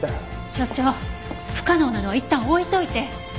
所長不可能なのはいったん置いといてとにかく。